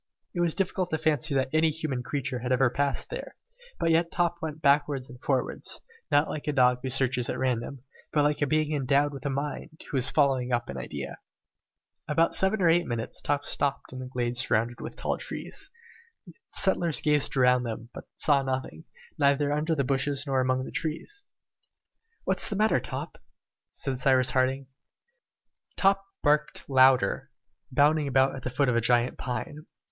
It was difficult to fancy that any human creature had ever passed there, but yet Top went backwards and forwards, not like a dog who searches at random, but like a being endowed with a mind, who is following up an idea. In about seven or eight minutes Top stopped in a glade surrounded with tall trees. The settlers gazed around them, but saw nothing, neither under the bushes nor among the trees. "What is the matter, Top?" said Cyrus Harding. Top barked louder, bounding about at the foot of a gigantic pine.